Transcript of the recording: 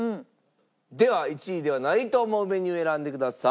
では１位ではないと思うメニュー選んでください。